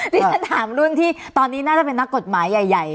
ที่ฉันถามรุ่นที่ตอนนี้น่าจะเป็นนักกฎหมายใหญ่